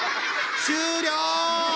終了！